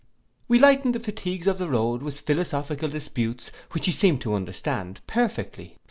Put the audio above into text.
We lightened the fatigues of the road with philosophical disputes, which he seemed to understand perfectly.